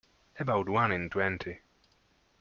About one in twenty.